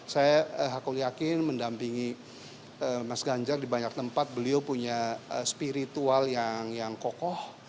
saya aku yakin mendampingi mas ganjar di banyak tempat beliau punya spiritual yang kokoh